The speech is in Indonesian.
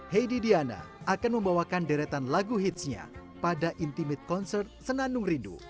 heidi diana akan membawakan deretan lagu hitsnya pada intimate concert senandung rindu